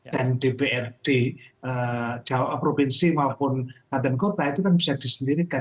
dan dpr di provinsi maupun tadangkota itu kan bisa disendirikan